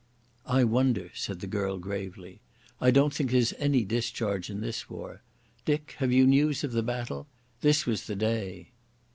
"I wonder," said the girl gravely. "I don't think there's any discharge in this war. Dick, have you news of the battle? This was the day."